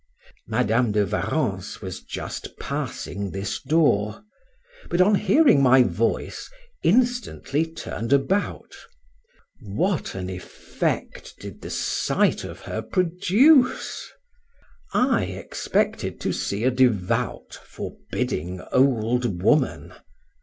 Madam de Warrens was just passing this door; but on hearing my voice, instantly turned about. What an effect did the sight of her produce! I expected to see a devout, forbidding old woman; M.